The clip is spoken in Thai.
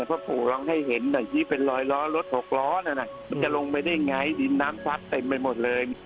พระครูลองให้เห็นหน่อยที่เป็นรอยรถรถหกล้อเนี่ยนะมันจะลงไปได้ยังไงดินน้ำพัดเต็มไปหมดเลย